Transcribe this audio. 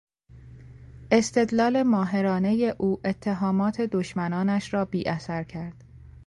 استدلال ماهرانهی او اتهامات دشمنانش را بیاثر کرد.